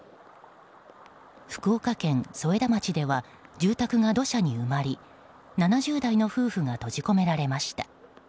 福岡県添田町では住宅が土砂に埋まり７０代の夫婦が閉じ込められました。